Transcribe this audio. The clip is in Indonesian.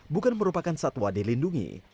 bukan merupakan satwa dilindungi